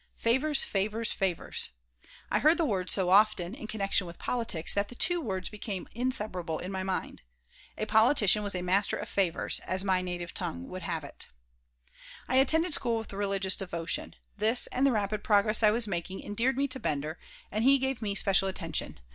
Favors, favors, favors! I heard the word so often, in connection with politics, that the two words became inseparable in my mind. A politician was a "master of favors," as my native tongue would have it I attended school with religious devotion. This and the rapid progress I was making endeared me to Bender, and he gave me special attention.